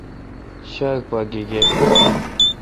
شاک پا گیگے°